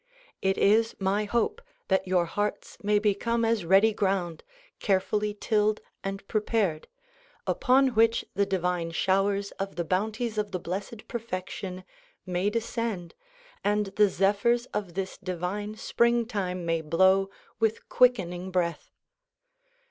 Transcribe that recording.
It is my hope that your hearts may become as ready ground, carefully tilled and prepared, upon which the divine showers of the bounties of the Blessed Perfection may descend and the zephyrs of this divine springtime may blow with quickening breath.